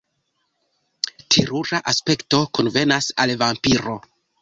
Terura aspekto konvenas al vampiro.